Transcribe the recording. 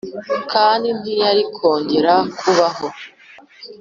kandi ntiyari kongera kubaho.